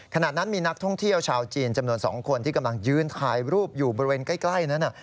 ขณะนั้นมีนักท่องเที่ยวชาวจีนจำนวน๒คนที่กำลังยืนถ่ายรูปอยู่บริเวณใกล้นั้น